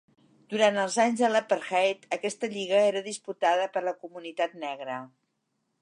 Durant els anys de l'apartheid aquesta lliga era disputada per la comunitat negra.